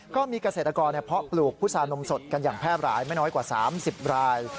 ก็มีเกษตรกรเพาะปลูกพุษานมสดกันอย่างแพร่หลายไม่น้อยกว่า๓๐ราย